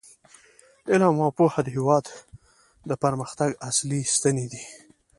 علم او پوهه د هیواد د پرمختګ اصلي ستنې دي.